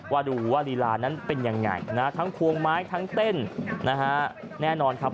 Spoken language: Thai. ว่าดูว่าลีลานั้นเป็นยังไงนะทั้งควงไม้ทั้งเต้นนะฮะแน่นอนครับ